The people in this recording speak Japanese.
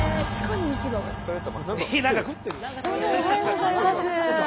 どうもおはようございます。